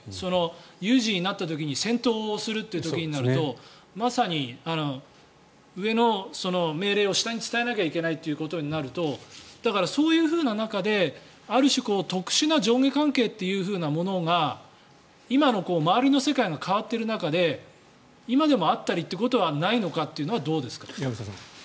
有事になった時に戦闘する時となるとまさに上の命令を下に伝えなきゃいけないということになるとだからそういう中である種特殊な上下関係というものが今の周りの世界が変わっている中で今でもあったりっていうことはないのかっていうのはどうですか？